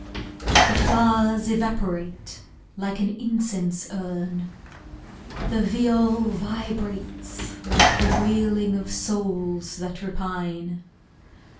The flowers evaporate like an incense urn, The viol vibrates like the wailing of souls that repine.